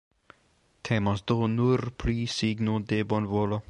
Temas do nur pri signo de bonvolo.